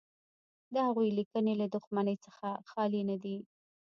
د هغوی لیکنې له دښمنۍ څخه خالي نه دي.